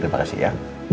terima kasih ya